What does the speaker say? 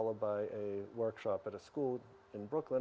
ditambahkan dengan workshop di sekolah di brooklyn